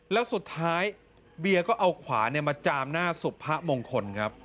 แล้วสุดท้ายเบียร์ก็เอาขวานมาจามหน้าสุพะมงคลครับ